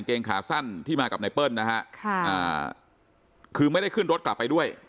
เกงขาสั้นที่มากับไนเปิ้ลนะฮะค่ะอ่าคือไม่ได้ขึ้นรถกลับไปด้วย